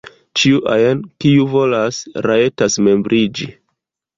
Ĉiu ajn kiu volas, rajtas membriĝi.